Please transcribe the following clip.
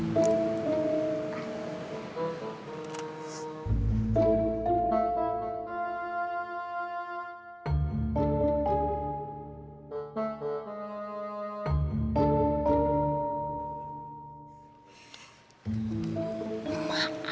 ya udah nonton